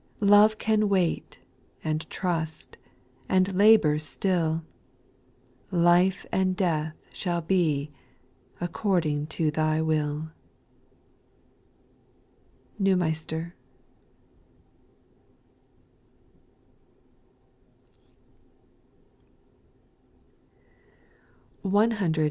Love can wait, and trust, and labour still ;— Life and death shall be according to Thy Willi NETJMEISTEB.